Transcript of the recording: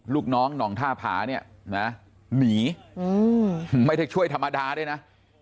ลูกน้องหน่องท่าผาเนี่ยนะหนีไม่ได้ช่วยธรรมดาด้วยนะ